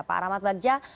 pak arhamad bagja